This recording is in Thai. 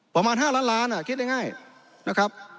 ประมาณ๕ล้านล้านคิดง่ายนะครับ